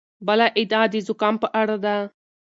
بله ادعا د زکام په اړه ده.